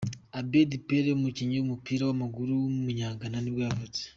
Abédi Pelé, umukinnyi w’umupira w’amaguru w’umunyagana nibwo yavutse.